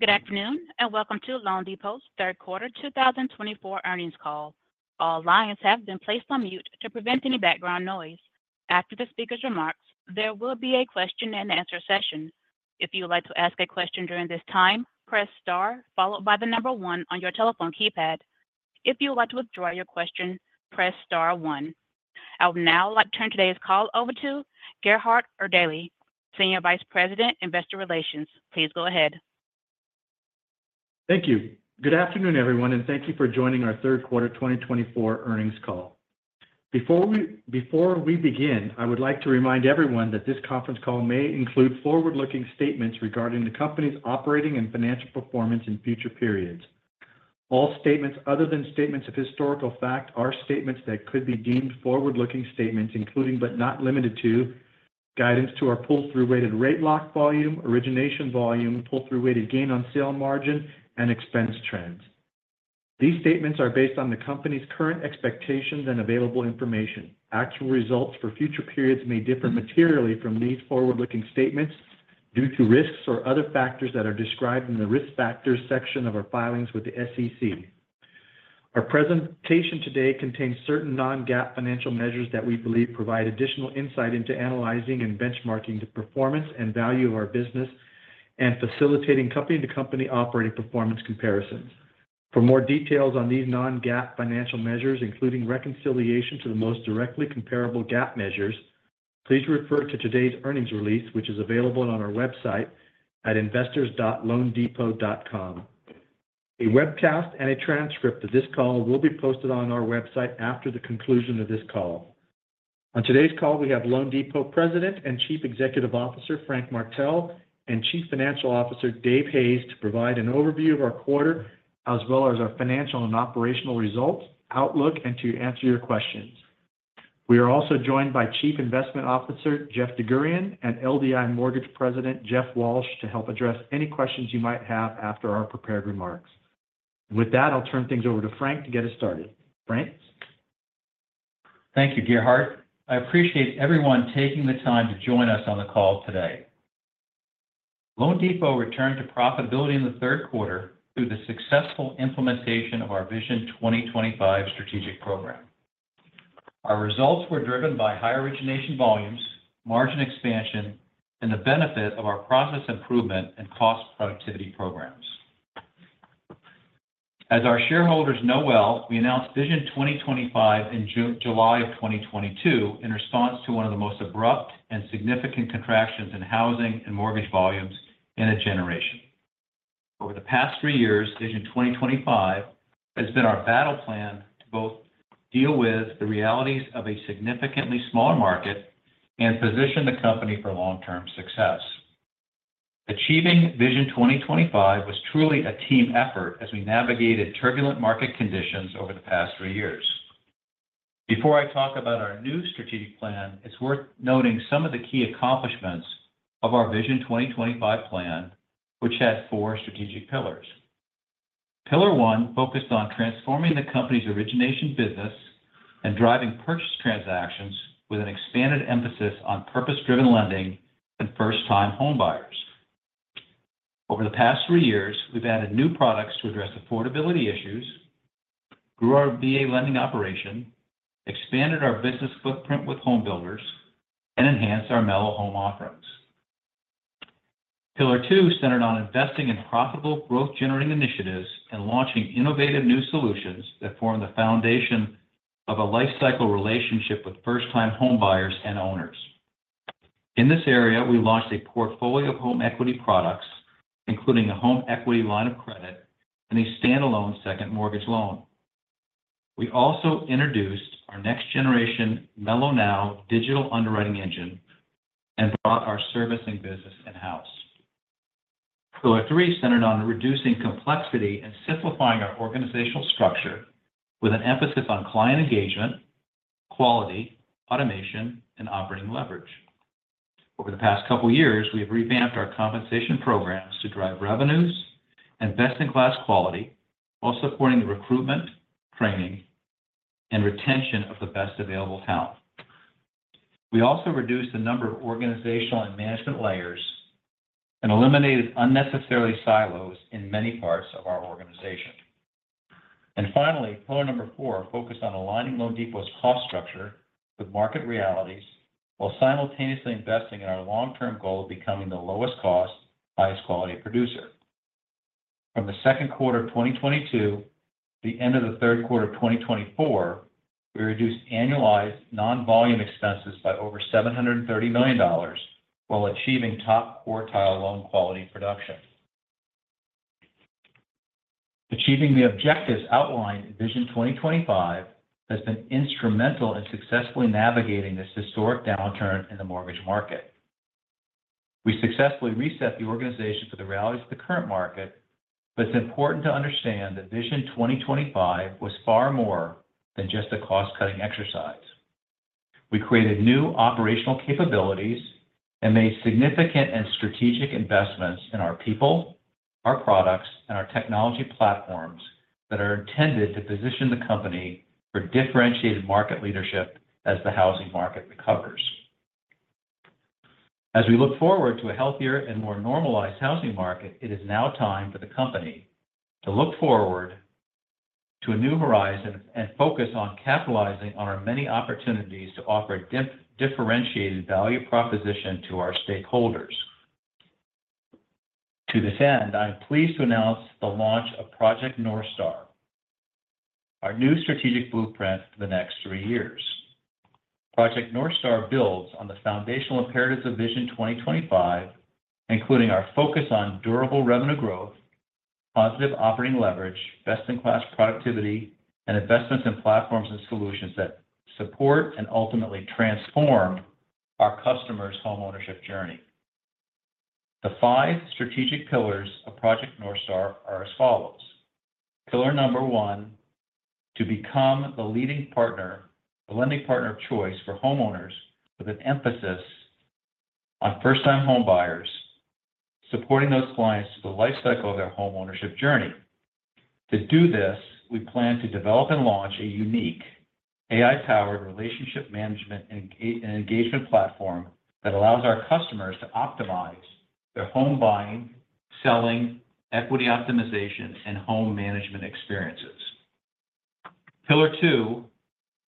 Good afternoon and welcome to loanDepot's Third Quarter 2024 Earnings Call. All lines have been placed on mute to prevent any background noise. After the speaker's remarks, there will be a question-and-answer session. If you would like to ask a question during this time, press star followed by the number one on your telephone keypad. If you would like to withdraw your question, press star one. I would now like to turn today's call over to Gerhard Erdelji, Senior Vice President, Investor Relations. Please go ahead. Thank you. Good afternoon, everyone, and thank you for joining our third quarter 2024 earnings call. Before we begin, I would like to remind everyone that this conference call may include forward-looking statements regarding the company's operating and financial performance in future periods. All statements other than statements of historical fact are statements that could be deemed forward-looking statements, including but not limited to guidance to our pull-through-weighted rate lock volume, origination volume, pull-through-weighted gain-on-sale margin, and expense trends. These statements are based on the company's current expectations and available information. Actual results for future periods may differ materially from these forward-looking statements due to risks or other factors that are described in the risk factors section of our filings with the SEC. Our presentation today contains certain non-GAAP financial measures that we believe provide additional insight into analyzing and benchmarking the performance and value of our business and facilitating company-to-company operating performance comparisons. For more details on these non-GAAP financial measures, including reconciliation to the most directly comparable GAAP measures, please refer to today's earnings release, which is available on our website at investors.loandepot.com. A webcast and a transcript of this call will be posted on our website after the conclusion of this call. On today's call, we have loanDepot President and Chief Executive Officer Frank Martell and Chief Financial Officer Dave Hayes to provide an overview of our quarter, as well as our financial and operational results, outlook, and to answer your questions. We are also joined by Chief Investment Officer Jeff DerGurahian and LDI Mortgage President Jeff Walsh to help address any questions you might have after our prepared remarks. With that, I'll turn things over to Frank to get us started. Frank. Thank you, Gerhard. I appreciate everyone taking the time to join us on the call today. loanDepot returned to profitability in the third quarter through the successful implementation of our Vision 2025 strategic program. Our results were driven by high origination volumes, margin expansion, and the benefit of our process improvement and cost productivity programs. As our shareholders know well, we announced Vision 2025 in July of 2022 in response to one of the most abrupt and significant contractions in housing and mortgage volumes in a generation. Over the past three years, Vision 2025 has been our battle plan to both deal with the realities of a significantly smaller market and position the company for long-term success. Achieving Vision 2025 was truly a team effort as we navigated turbulent market conditions over the past three years. Before I talk about our new strategic plan, it's worth noting some of the key accomplishments of our Vision 2025 plan, which had four strategic pillars. Pillar one focused on transforming the company's origination business and driving purchase transactions with an expanded emphasis on purpose-driven lending and first-time home buyers. Over the past three years, we've added new products to address affordability issues, grew our VA lending operation, expanded our business footprint with home builders, and enhanced our mellohome offerings. Pillar two centered on investing in profitable growth-generating initiatives and launching innovative new solutions that form the foundation of a lifecycle relationship with first-time home buyers and owners. In this area, we launched a portfolio of home equity products, including a home equity line of credit and a standalone second mortgage loan. We also introduced our next-generation melloNow digital underwriting engine and brought our servicing business in-house. Pillar three centered on reducing complexity and simplifying our organizational structure with an emphasis on client engagement, quality, automation, and operating leverage. Over the past couple of years, we have revamped our compensation programs to drive revenues and best-in-class quality while supporting the recruitment, training, and retention of the best available talent. We also reduced the number of organizational and management layers and eliminated unnecessary silos in many parts of our organization, and finally, pillar number four focused on aligning loanDepot's cost structure with market realities while simultaneously investing in our long-term goal of becoming the lowest-cost, highest-quality producer. From the second quarter of 2022 to the end of the third quarter of 2024, we reduced annualized non-volume expenses by over $730 million while achieving top quartile loan quality production. Achieving the objectives outlined in Vision 2025 has been instrumental in successfully navigating this historic downturn in the mortgage market. We successfully reset the organization to the realities of the current market, but it's important to understand that Vision 2025 was far more than just a cost-cutting exercise. We created new operational capabilities and made significant and strategic investments in our people, our products, and our technology platforms that are intended to position the company for differentiated market leadership as the housing market recovers. As we look forward to a healthier and more normalized housing market, it is now time for the company to look forward to a new horizon and focus on capitalizing on our many opportunities to offer a differentiated value proposition to our stakeholders. To this end, I'm pleased to announce the launch of Project Northstar, our new strategic blueprint for the next three years. Project Northstar builds on the foundational imperatives of Vision 2025, including our focus on durable revenue growth, positive operating leverage, best-in-class productivity, and investments in platforms and solutions that support and ultimately transform our customers' homeownership journey. The five strategic pillars of Project Northstar are as follows. Pillar number one, to become the leading partner, the lending partner of choice for homeowners with an emphasis on first-time home buyers, supporting those clients through the lifecycle of their homeownership journey. To do this, we plan to develop and launch a unique AI-powered relationship management and engagement platform that allows our customers to optimize their home buying, selling, equity optimization, and home management experiences. Pillar two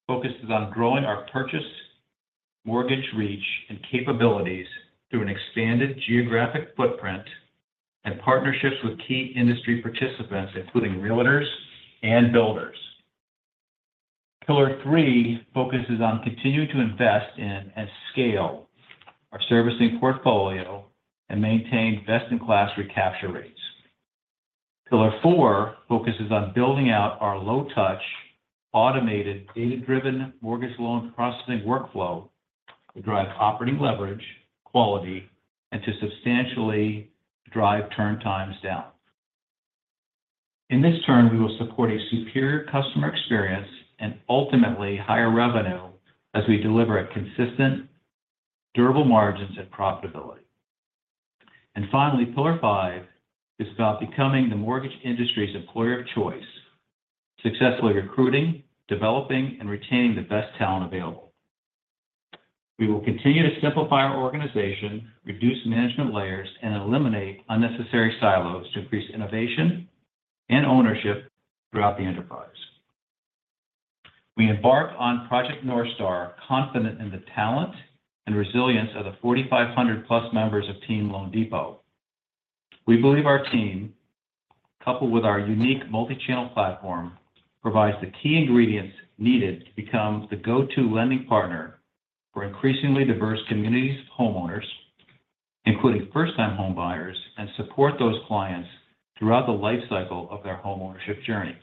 focuses on growing our purchase mortgage reach and capabilities through an expanded geographic footprint and partnerships with key industry participants, including realtors and builders. Pillar three focuses on continuing to invest in and scale our servicing portfolio and maintain best-in-class recapture rates. Pillar four focuses on building out our low-touch, automated, data-driven mortgage loan processing workflow to drive operating leverage, quality, and to substantially drive turn times down. In this turn, we will support a superior customer experience and ultimately higher revenue as we deliver at consistent, durable margins and profitability, and finally, pillar five is about becoming the mortgage industry's employer of choice, successfully recruiting, developing, and retaining the best talent available. We will continue to simplify our organization, reduce management layers, and eliminate unnecessary silos to increase innovation and ownership throughout the enterprise. We embark on Project Northstar confident in the talent and resilience of the 4,500 plus members of Team loanDepot. We believe our team, coupled with our unique multi-channel platform, provides the key ingredients needed to become the go-to lending partner for increasingly diverse communities of homeowners, including first-time home buyers, and support those clients throughout the lifecycle of their homeownership journey.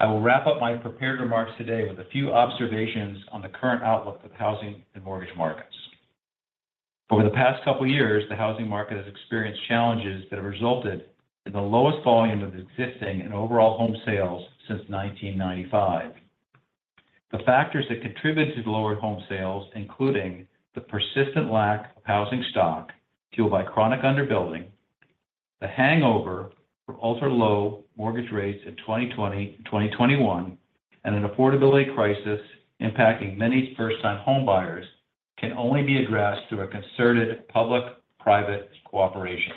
I will wrap up my prepared remarks today with a few observations on the current outlook of housing and mortgage markets. Over the past couple of years, the housing market has experienced challenges that have resulted in the lowest volume of existing and overall home sales since 1995. The factors that contributed to the lower home sales, including the persistent lack of housing stock fueled by chronic underbuilding, the hangover from ultra-low mortgage rates in 2020 and 2021, and an affordability crisis impacting many first-time home buyers, can only be addressed through a concerted public-private cooperation.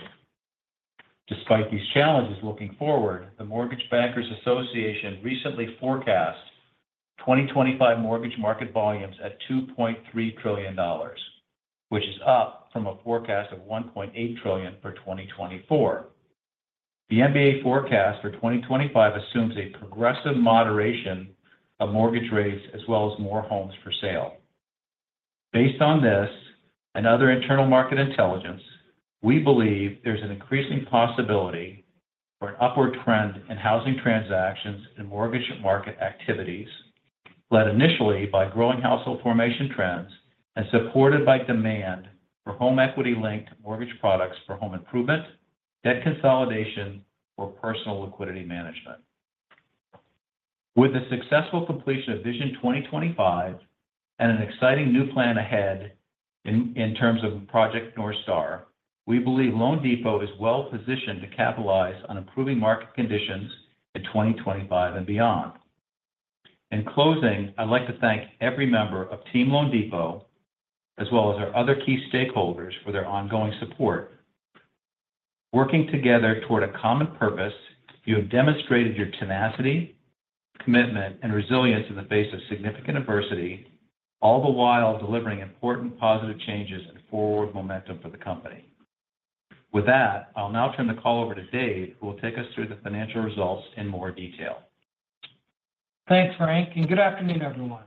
Despite these challenges, looking forward, the Mortgage Bankers Association recently forecast 2025 mortgage market volumes at $2.3 trillion, which is up from a forecast of $1.8 trillion for 2024. The MBA forecast for 2025 assumes a progressive moderation of mortgage rates as well as more homes for sale. Based on this and other internal market intelligence, we believe there's an increasing possibility for an upward trend in housing transactions and mortgage market activities, led initially by growing household formation trends and supported by demand for home equity-linked mortgage products for home improvement, debt consolidation, or personal liquidity management. With the successful completion of Vision 2025 and an exciting new plan ahead in terms of Project Northstar, we believe loanDepot is well positioned to capitalize on improving market conditions in 2025 and beyond. In closing, I'd like to thank every member of Team loanDepot, as well as our other key stakeholders, for their ongoing support. Working together toward a common purpose, you have demonstrated your tenacity, commitment, and resilience in the face of significant adversity, all the while delivering important positive changes and forward momentum for the company. With that, I'll now turn the call over to Dave, who will take us through the financial results in more detail. Thanks, Frank. And good afternoon, everyone.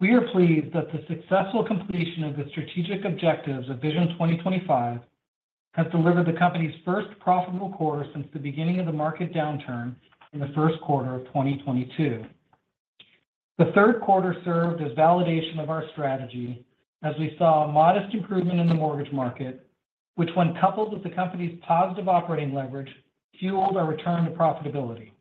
We are pleased that the successful completion of the strategic objectives of Vision 2025 has delivered the company's first profitable quarter since the beginning of the market downturn in the first quarter of 2022. The third quarter served as validation of our strategy as we saw modest improvement in the mortgage market, which, when coupled with the company's positive operating leverage, fueled our return to profitability.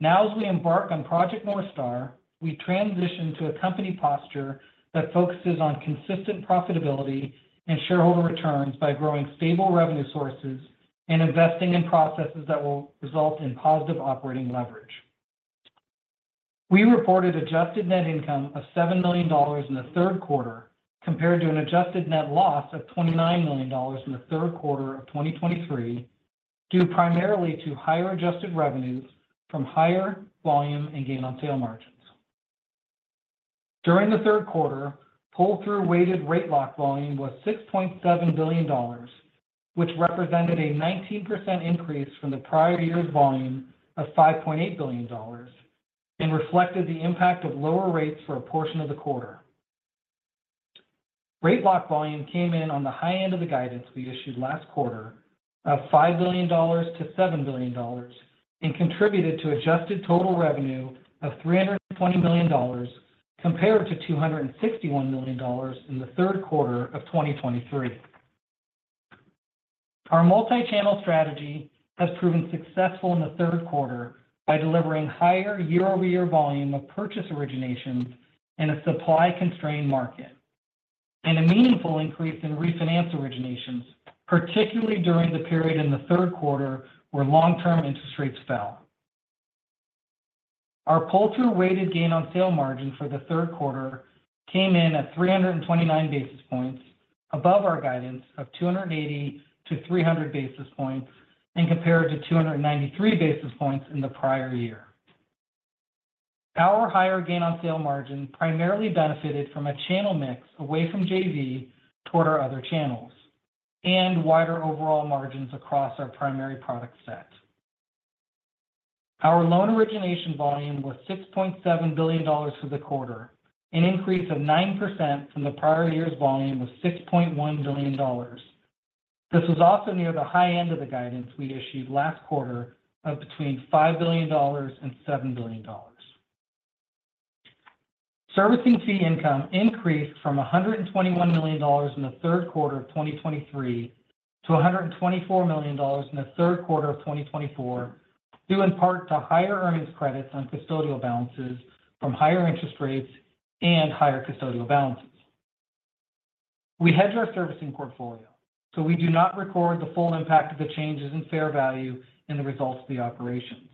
Now, as we embark on Project Northstar, we transition to a company posture that focuses on consistent profitability and shareholder returns by growing stable revenue sources and investing in processes that will result in positive operating leverage. We reported adjusted net income of $7 million in the third quarter compared to an adjusted net loss of $29 million in the third quarter of 2023, due primarily to higher adjusted revenues from higher volume and gain-on-sale margins. During the third quarter, pull-through weighted rate lock volume was $6.7 billion, which represented a 19% increase from the prior year's volume of $5.8 billion and reflected the impact of lower rates for a portion of the quarter. Rate lock volume came in on the high end of the guidance we issued last quarter of $5 billion-$7 billion and contributed to adjusted total revenue of $320 million compared to $261 million in the third quarter of 2023. Our multi-channel strategy has proven successful in the third quarter by delivering higher year-over-year volume of purchase originations in a supply-constrained market and a meaningful increase in refinance originations, particularly during the period in the third quarter where long-term interest rates fell. Our pull-through weighted gain on sale margin for the third quarter came in at 329 basis points above our guidance of 280-300 basis points and compared to 293 basis points in the prior year. Our higher gain on sale margin primarily benefited from a channel mix away from JV toward our other channels and wider overall margins across our primary product set. Our loan origination volume was $6.7 billion for the quarter, an increase of 9% from the prior year's volume of $6.1 billion. This was also near the high end of the guidance we issued last quarter of between $5 billion and $7 billion. Servicing fee income increased from $121 million in the third quarter of 2023 to $124 million in the third quarter of 2024, due in part to higher earnings credits on custodial balances from higher interest rates and higher custodial balances. We hedge our servicing portfolio, so we do not record the full impact of the changes in fair value in the results of the operations.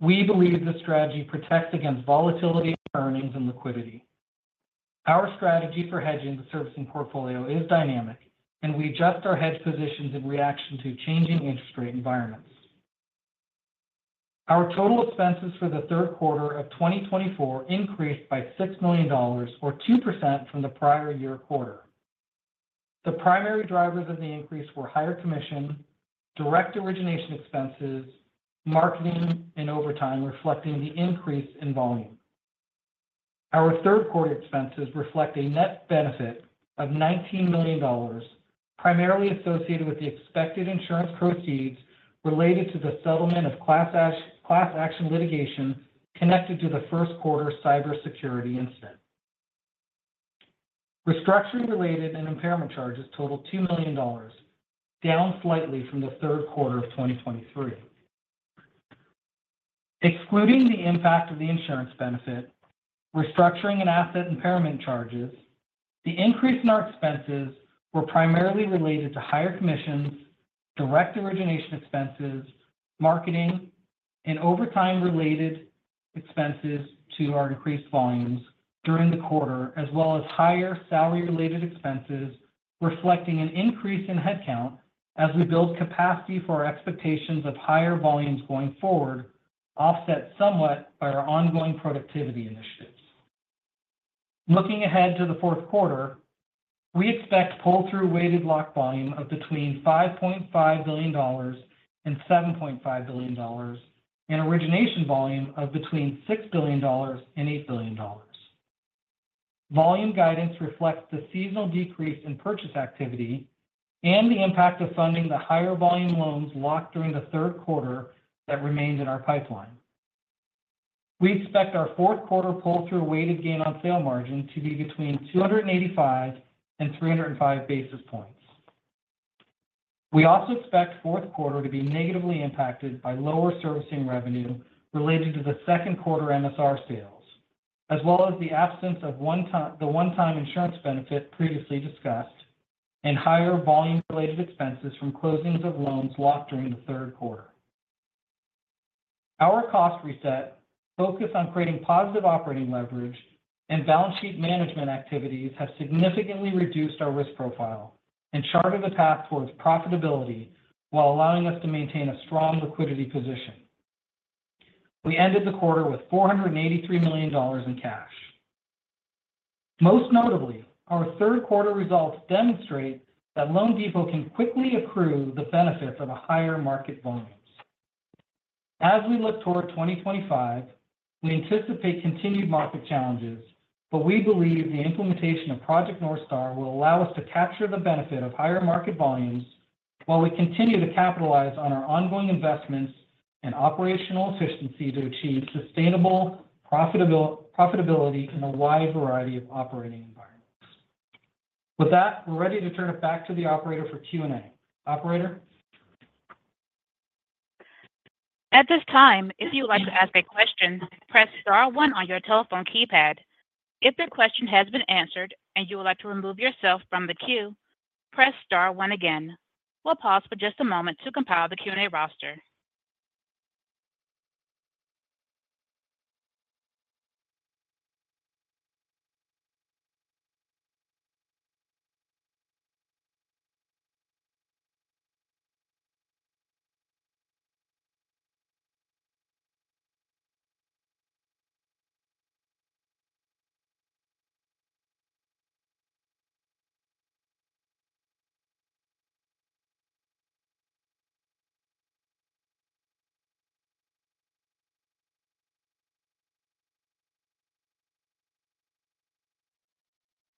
We believe this strategy protects against volatility in earnings and liquidity. Our strategy for hedging the servicing portfolio is dynamic, and we adjust our hedge positions in reaction to changing interest rate environments. Our total expenses for the third quarter of 2024 increased by $6 million, or 2% from the prior year quarter. The primary drivers of the increase were higher commission, direct origination expenses, marketing, and overtime reflecting the increase in volume. Our third quarter expenses reflect a net benefit of $19 million, primarily associated with the expected insurance proceeds related to the settlement of class action litigation connected to the first quarter cybersecurity incident. Restructuring-related and impairment charges totaled $2 million, down slightly from the third quarter of 2023. Excluding the impact of the insurance benefit, restructuring and asset impairment charges, the increase in our expenses was primarily related to higher commissions, direct origination expenses, marketing, and overtime-related expenses to our increased volumes during the quarter, as well as higher salary-related expenses reflecting an increase in headcount as we build capacity for our expectations of higher volumes going forward, offset somewhat by our ongoing productivity initiatives. Looking ahead to the fourth quarter, we expect pull-through weighted lock volume of between $5.5 billion and $7.5 billion and origination volume of between $6 billion and $8 billion. Volume guidance reflects the seasonal decrease in purchase activity and the impact of funding the higher volume loans locked during the third quarter that remained in our pipeline. We expect our fourth quarter pull-through weighted gain on sale margin to be between 285 and 305 basis points. We also expect fourth quarter to be negatively impacted by lower servicing revenue related to the second quarter MSR sales, as well as the absence of the one-time insurance benefit previously discussed and higher volume-related expenses from closings of loans locked during the third quarter. Our cost reset, focus on creating positive operating leverage and balance sheet management activities have significantly reduced our risk profile and charted a path towards profitability while allowing us to maintain a strong liquidity position. We ended the quarter with $483 million in cash. Most notably, our third quarter results demonstrate that loanDepot can quickly accrue the benefits of higher market volumes. As we look toward 2025, we anticipate continued market challenges, but we believe the implementation of Project Northstar will allow us to capture the benefit of higher market volumes while we continue to capitalize on our ongoing investments and operational efficiency to achieve sustainable profitability in a wide variety of operating environments. With that, we're ready to turn it back to the operator for Q&A. Operator? At this time, if you would like to ask a question, press Star one on your telephone keypad. If the question has been answered and you would like to remove yourself from the queue, press Star one again. We'll pause for just a moment to compile the Q&A roster.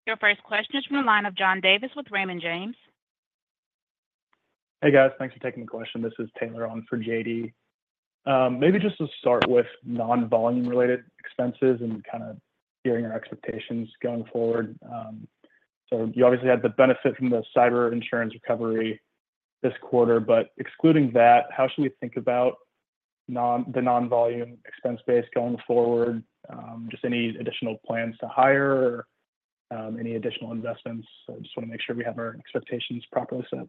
Your first question is from the line of John Davis with Raymond James. Hey, guys. Thanks for taking the question. This is Taylor on for JD. Maybe just to start with non-volume-related expenses and kind of hearing our expectations going forward. So you obviously had the benefit from the cyber insurance recovery this quarter, but excluding that, how should we think about the non-volume expense base going forward? Just any additional plans to hire or any additional investments? I just want to make sure we have our expectations properly set.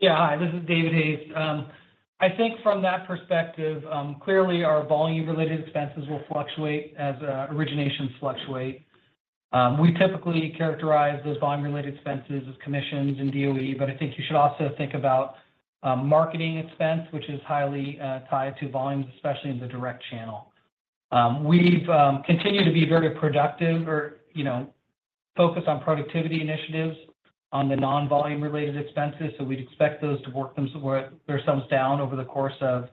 Yeah. Hi. This is Dave Hayes. I think from that perspective, clearly, our volume-related expenses will fluctuate as originations fluctuate. We typically characterize those volume-related expenses as commissions and DOE, but I think you should also think about marketing expense, which is highly tied to volumes, especially in the direct channel. We've continued to be very productive or focused on productivity initiatives on the non-volume-related expenses, so we'd expect those to work themselves down over the course of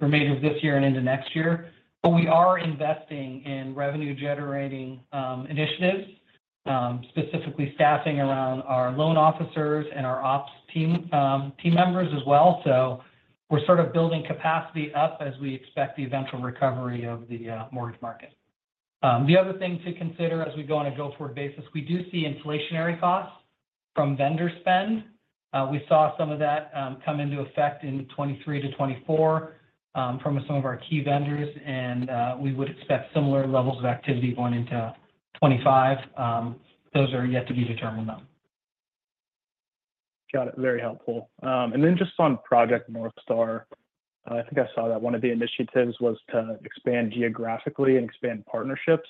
the remainder of this year and into next year. But we are investing in revenue-generating initiatives, specifically staffing around our loan officers and our ops team members as well. So we're sort of building capacity up as we expect the eventual recovery of the mortgage market. The other thing to consider as we go on a go-forward basis, we do see inflationary costs from vendor spend. We saw some of that come into effect in 2023 to 2024 from some of our key vendors, and we would expect similar levels of activity going into 2025. Those are yet to be determined, though. Got it. Very helpful, and then just on Project Northstar, I think I saw that one of the initiatives was to expand geographically and expand partnerships.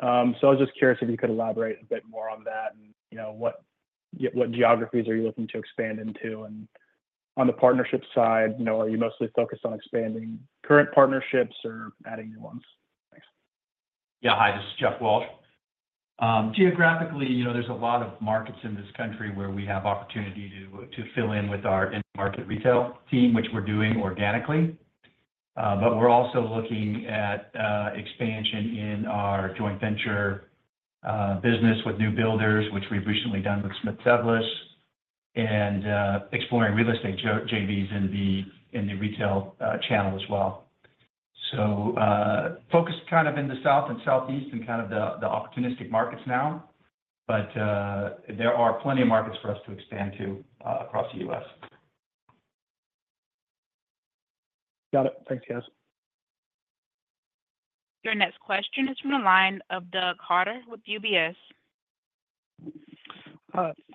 So I was just curious if you could elaborate a bit more on that and what geographies are you looking to expand into, and on the partnership side, are you mostly focused on expanding current partnerships or adding new ones? Thanks. Yeah. Hi. This is Jeff Walsh. Geographically, there's a lot of markets in this country where we have opportunity to fill in with our in-market retail team, which we're doing organically. But we're also looking at expansion in our joint venture business with new builders, which we've recently done with Smith Douglas, and exploring real estate JVs in the retail channel as well. So, focused kind of in the South and Southeast and kind of the opportunistic markets now, but there are plenty of markets for us to expand to across the U.S. Got it. Thanks, guys. Your next question is from the line of Doug Harter with UBS.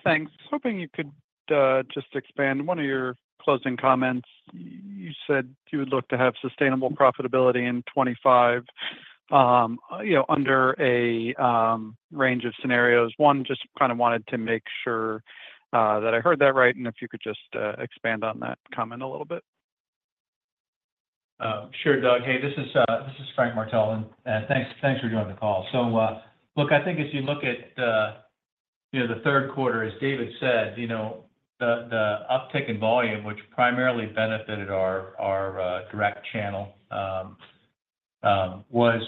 Thanks. Hoping you could just expand one of your closing comments. You said you would look to have sustainable profitability in 2025 under a range of scenarios. One, just kind of wanted to make sure that I heard that right, and if you could just expand on that comment a little bit. Sure, Doug. Hey, this is Frank Martell. And thanks for joining the call. So look, I think as you look at the third quarter, as David said, the uptick in volume, which primarily benefited our direct channel, was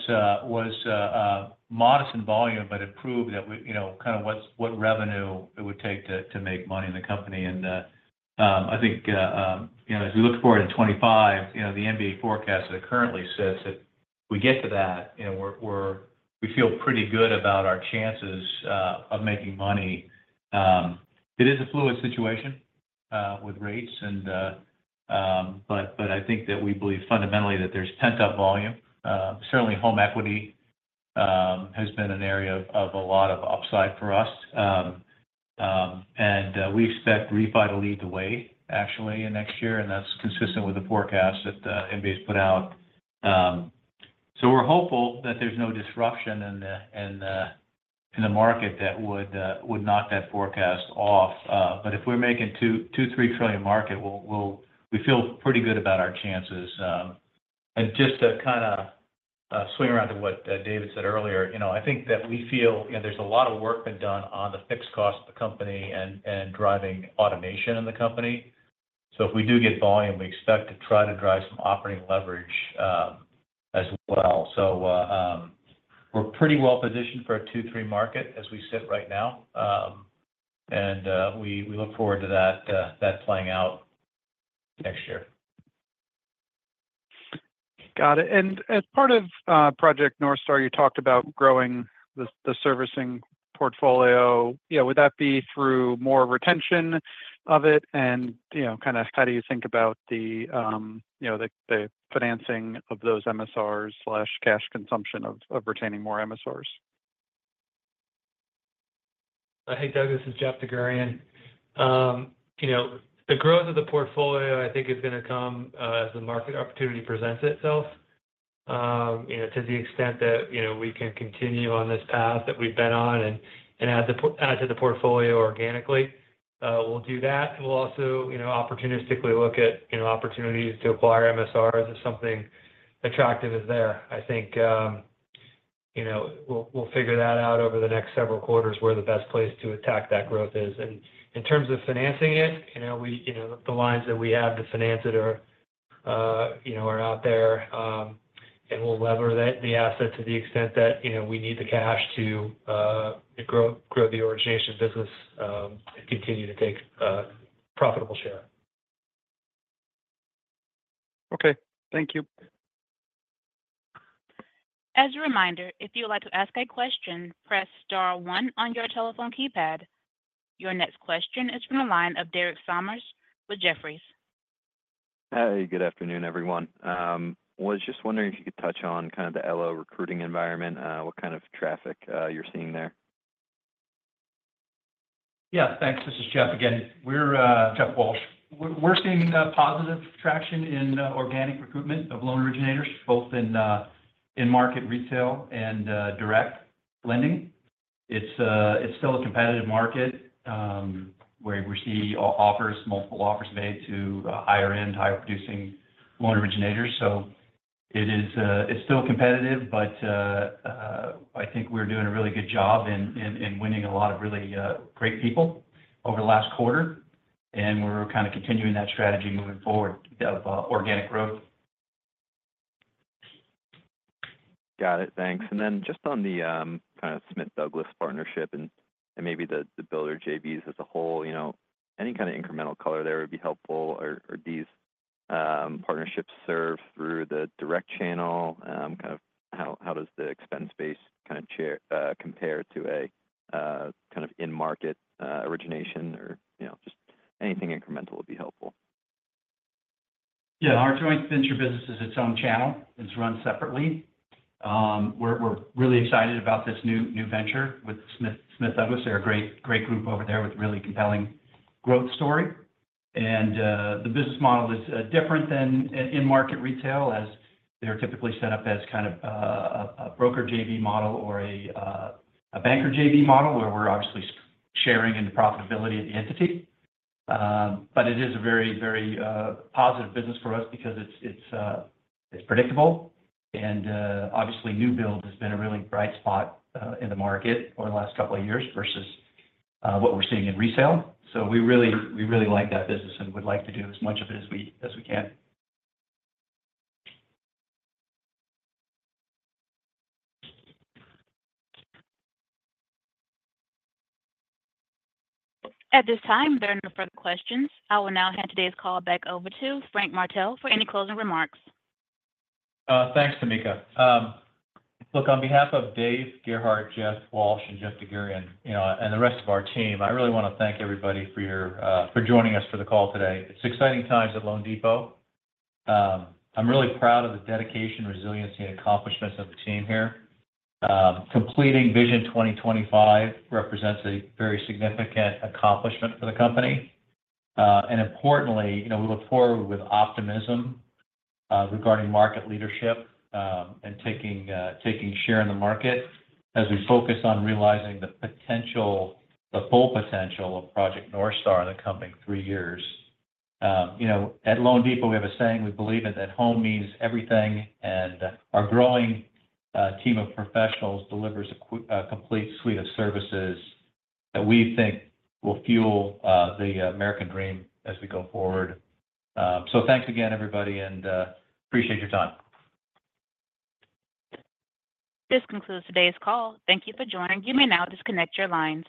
modest in volume, but it proved kind of what revenue it would take to make money in the company. And I think as we look forward to 2025, the MBA forecast that it currently says that we get to that, we feel pretty good about our chances of making money. It is a fluid situation with rates, but I think that we believe fundamentally that there's pent-up volume. Certainly, home equity has been an area of a lot of upside for us, and we expect refi to lead the way, actually, next year, and that's consistent with the forecast that the MBA has put out. We're hopeful that there's no disruption in the market that would knock that forecast off. But if we're making a $2-3 trillion market, we feel pretty good about our chances. And just to kind of swing around to what David said earlier, I think that we feel there's a lot of work been done on the fixed cost of the company and driving automation in the company. So if we do get volume, we expect to try to drive some operating leverage as well. We're pretty well positioned for a $2-3 trillion market as we sit right now, and we look forward to that playing out next year. Got it. And as part of Project Northstar, you talked about growing the servicing portfolio. Would that be through more retention of it? And kind of how do you think about the financing of those MSRs, cash consumption of retaining more MSRs? Hey, Doug. This is Jeff DerGurahian. The growth of the portfolio, I think, is going to come as the market opportunity presents itself to the extent that we can continue on this path that we've been on and add to the portfolio organically. We'll do that. We'll also opportunistically look at opportunities to acquire MSRs if something attractive is there. I think we'll figure that out over the next several quarters where the best place to attack that growth is. And in terms of financing it, the lines that we have to finance it are out there, and we'll lever the asset to the extent that we need the cash to grow the origination business and continue to take a profitable share. Okay. Thank you. As a reminder, if you would like to ask a question, press Star one on your telephone keypad. Your next question is from the line of Derek Sommers with Jefferies. Hey, good afternoon, everyone. Was just wondering if you could touch on kind of the LO recruiting environment, what kind of traffic you're seeing there? Yeah. Thanks. This is Jeff again. We're Jeff Walsh. We're seeing positive traction in organic recruitment of loan originators, both in market retail and direct lending. It's still a competitive market where we see multiple offers made to higher-end, higher-producing loan originators. So it's still competitive, but I think we're doing a really good job in winning a lot of really great people over the last quarter, and we're kind of continuing that strategy moving forward of organic growth. Got it. Thanks. And then just on the kind of Smith Douglas partnership and maybe the builder JVs as a whole, any kind of incremental color there would be helpful. Are these partnerships served through the direct channel? Kind of how does the expense base kind of compare to a kind of in-market origination or just anything incremental would be helpful? Yeah. Our joint venture business is its own channel. It's run separately. We're really excited about this new venture with Smith Douglas. They're a great group over there with a really compelling growth story. And the business model is different than in-market retail as they're typically set up as kind of a broker JV model or a banker JV model where we're obviously sharing in the profitability of the entity. But it is a very, very positive business for us because it's predictable. And obviously, new build has been a really bright spot in the market over the last couple of years versus what we're seeing in resale. So we really like that business and would like to do as much of it as we can. At this time, there are no further questions. I will now hand today's call back over to Frank Martell for any closing remarks. Thanks, Tameka. Look, on behalf of Dave, Gerhard, Jeff Walsh, and Jeff DerGurahian, and the rest of our team, I really want to thank everybody for joining us for the call today. It's exciting times at loanDepot. I'm really proud of the dedication, resiliency, and accomplishments of the team here. Completing Vision 2025 represents a very significant accomplishment for the company, and importantly, we look forward with optimism regarding market leadership and taking share in the market as we focus on realizing the full potential of Project Northstar in the coming three years. At loanDepot, we have a saying: we believe that home means everything, and our growing team of professionals delivers a complete suite of services that we think will fuel the American dream as we go forward, so thanks again, everybody, and appreciate your time. This concludes today's call. Thank you for joining. You may now disconnect your lines.